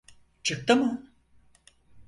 Çıktı mı?